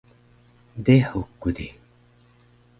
dehuk ku di